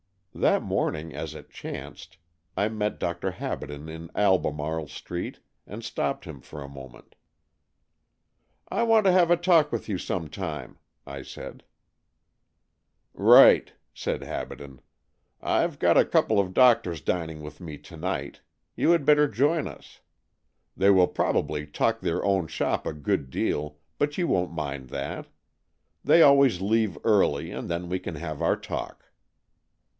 That morning, as it chanced, I met Dr. Habaden in Albemarle Street and stopped him for a moment. " I want to have a talk with you some time," I said. " Right," said Habaden. " I've got a couple of doctors dining with' me to night. You had better join us. They will probably 242 AN EXCHANGE OF SOULS talk their own shop a good deal, but you won't mind that. They always leave early, and then we can have our talk."